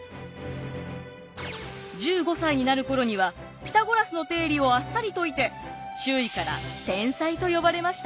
１５歳になる頃にはピタゴラスの定理をあっさり解いて周囲から天才と呼ばれました。